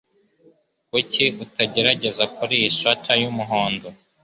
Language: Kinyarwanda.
Kuki utagerageza kuriyi swater yumuhondo?